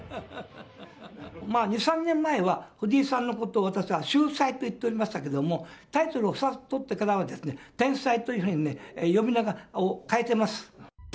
まあ、２、３年前は、藤井さんのことを私は秀才と言っておりましたけども、タイトルを２つとってからはですね、天才というふうにね、呼び名を変えています。